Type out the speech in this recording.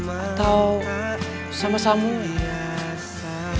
atau sama samuel